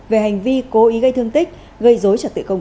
về hành vi cố ý gây thương tích gây dối trật tự công cộng